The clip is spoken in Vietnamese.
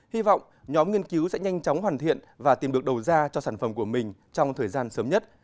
hy vọng nhóm nghiên cứu sẽ nhanh chóng hoàn thiện và tìm được đầu ra cho sản phẩm của mình trong thời gian sớm nhất